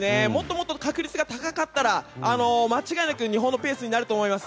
もっと確率が高かったら間違いなく日本のペースになると思います。